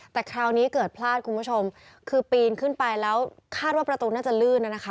แต่คราวนี้เกิดพลาดคุณผู้ชมคือปีนขึ้นไปแล้วคาดว่าประตูน่าจะลื่นนะคะ